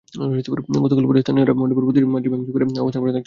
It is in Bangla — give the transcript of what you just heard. গতকাল ভোরে স্থানীয়রা মণ্ডপের প্রতিমাটি ভাঙচুর করা অবস্থায় পড়ে থাকতে দেখেন।